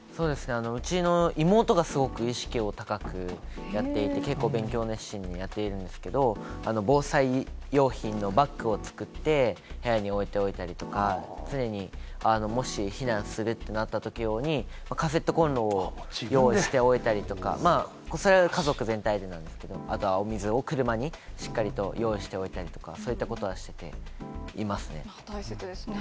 うちの妹がすごく意識を高くやっていて、結構、勉強熱心にやっているんですけれども、防災用品のバッグを作って部屋に置いておいたりとか、常に、もし避難するってなったとき用に、カセットコンロを用意しておいたりとか、それは家族全体でなんですけれども、あとはお水を車にしっかりと用意しておいたりとか、大切ですね。